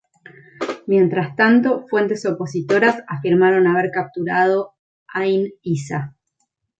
Mientas tanto, fuentes opositoras afirmaron haber capturado Ayn Issa.